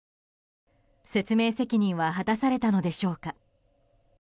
説明責任は果たされたのでしょうか。